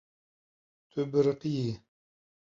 Tu biriqiyî.